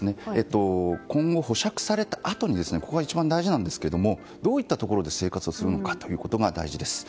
今後、保釈されたあとここが一番大事ですがどういったところで生活をするのかが大事です。